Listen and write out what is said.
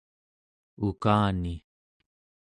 ukani